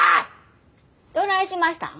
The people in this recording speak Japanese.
どないしましたん？